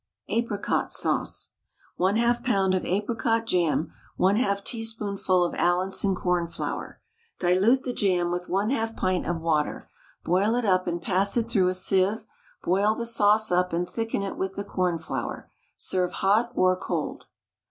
APRICOT SAUCE. 1/2 lb. of apricot jam, 1/2 a teaspoonful of Allinson cornflour. Dilute the jam with 1/2 pint of water, boil it up and pass it through a sieve; boil the sauce up, and thicken it with the cornflour. Serve hot or cold.